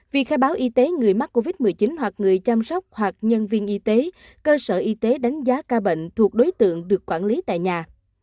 việc khai báo y tế người mắc covid một mươi chín hoặc người chăm sóc hoặc nhân viên y tế cơ sở y tế đánh giá ca bệnh thuộc đối tượng được quản lý tại nhà